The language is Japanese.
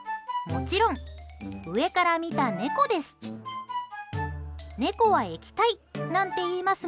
もちろん、上から見た猫です。